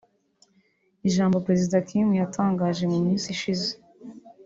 Ijambo Perezida Kim yatangaje mu minsi ishize